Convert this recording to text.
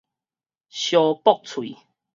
相駁喙